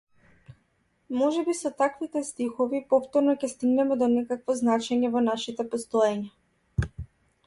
Можеби со таквите стихови повторно ќе стигнеме до некакво значење во нашите постоења.